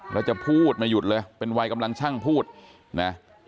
แล้วจะพูดไม่หยุดเลยเป็นวัยกำลังช่างพูดนะ